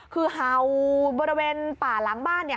คือเห่าบริเวณป่าล้างบ้านเนี่ย